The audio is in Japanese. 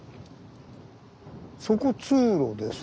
そこ通路ですか。